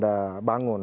tapi itu dibangun